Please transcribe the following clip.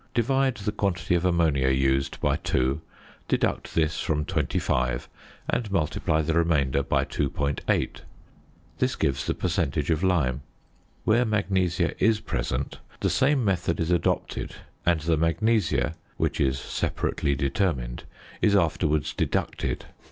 Divide the quantity of ammonia used by 2, deduct this from 25, and multiply the remainder by 2.8. This gives the percentage of lime. Where magnesia is present, the same method is adopted, and the magnesia (which is separately determined) is afterwards deducted.